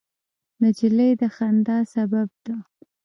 نجلۍ د خندا سبب ده.